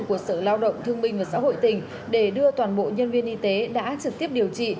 của sở lao động thương minh và xã hội tỉnh để đưa toàn bộ nhân viên y tế đã trực tiếp điều trị